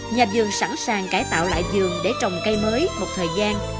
nhà vườn sẵn sàng cải tạo lại giường để trồng cây mới một thời gian